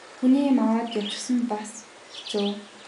Хүний юм аваад явчих бас хэцүү.